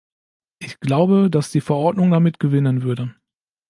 Ich glaube, dass die Verordnung damit gewinnen würde.